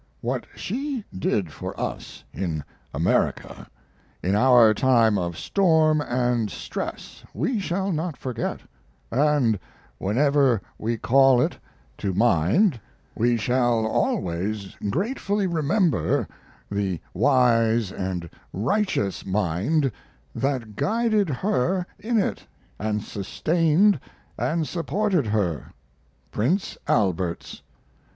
What she did for us in America in our time of storm and stress we shall not forget, and whenever we call it to mind we shall always gratefully remember the wise and righteous mind that guided her in it and sustained and supported her Prince Albert's.